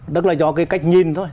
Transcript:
đó là do cái cách nhìn thôi